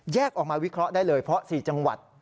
ออกมาวิเคราะห์ได้เลยเพราะ๔จังหวัด